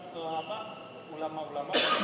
pak mungkin dari ulama ulama